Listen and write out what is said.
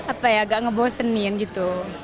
apa ya agak ngebosenin gitu